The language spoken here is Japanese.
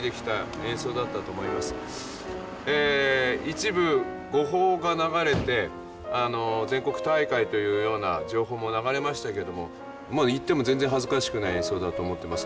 一部誤報が流れて全国大会というような情報も流れましたけどももう行っても全然恥ずかしくない演奏だと思ってます。